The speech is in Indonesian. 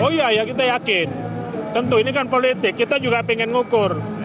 oh iya ya kita yakin tentu ini kan politik kita juga ingin ngukur